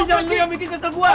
abis yang lu yang bikin kesel gua